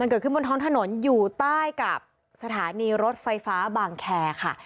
เกิดขึ้นบนท้องถนนอยู่ใต้กับสถานีรถไฟฟ้าบางแคร์ค่ะ